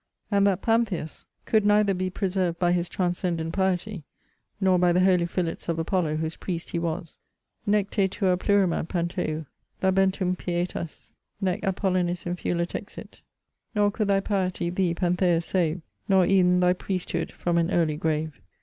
'And that Pantheus could neither be preserved by his transcendent piety, nor by the holy fillets of Apollo, whose priest he was: ' Nec te tua plurima, Pantheu, Labentum pietas, nec Apollinis infula texit. Æn. II. 'Nor could thy piety thee, Pantheus, save, Nor ev'n thy priesthood, from an early grave.'